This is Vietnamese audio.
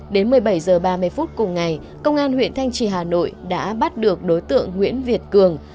đến một mươi bảy h ba mươi phút cùng ngày công an huyện thanh trì hà nội đã bắt được đối tượng nguyễn việt cường